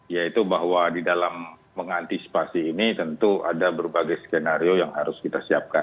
yaitu bahwa di dalam mengantisipasi ini tentu ada berbagai skenario yang harus kita siapkan